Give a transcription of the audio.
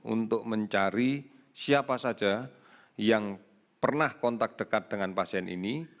untuk mencari siapa saja yang pernah kontak dekat dengan pasien ini